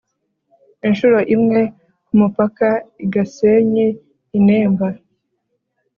inshuro imwe ku mupaka i gasenyi i- nemba